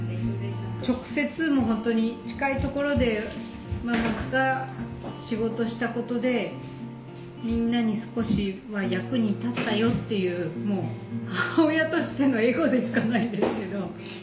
直接もうホントに近いところでママが仕事した事でみんなに少しは役に立ったよっていうもう母親としてのエゴでしかないんですけど